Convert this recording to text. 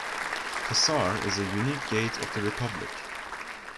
Qusar is a unique gate of the republic.